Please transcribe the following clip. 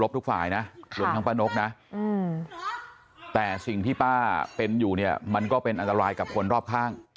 แต่ว่าสิ่งที่ป้าเป็นอยู่เนี่ยมันก็เป็นอันตรายกับคนรอบข้าง